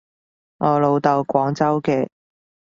我老豆廣州嘅